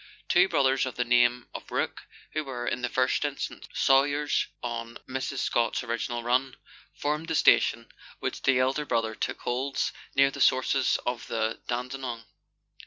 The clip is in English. Two brothers of the name of Rourke, who were, in the first instance, sawyers on Mrs. Scott's original run, formed the station, which the elder brother still holds near the sources of the Dandenong.